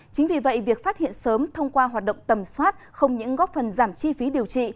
chính vì vậy việc phát hiện sớm thông qua hoạt động tầm soát không những góp phần giảm chi phí điều trị